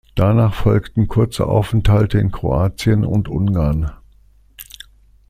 Danach folgten kurze Aufenthalte in Kroatien und Ungarn.